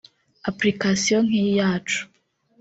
application nk'iyi yacu